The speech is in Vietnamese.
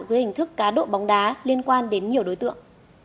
dưới hình thức cá độ bóng đá liên quan đến nhiều đối tượng